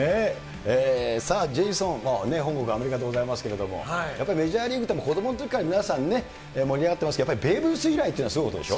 さあ、ジェイソン、ホームがアメリカでございますけれども、やっぱりメジャーリーグって、子どものときから皆さんね、盛り上がってますけど、やっぱりベーブ・ルース以来というのはすごいことでしょ？